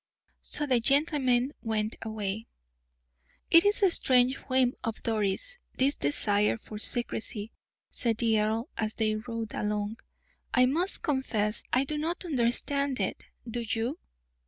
So the gentlemen went away. "It is a strange whim of Doris', this desire for secrecy," said the earl, as they rode along. "I must confess I do not understand it; do you?"